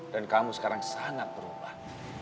dan kamu sekarang sangat berubah